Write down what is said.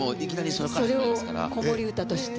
それを子守唄として？